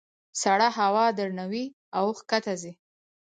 سړه هوا درنه وي او ښکته ځي.